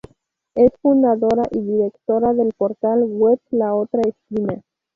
Es fundadora y directora del portal web La Otra Esquina.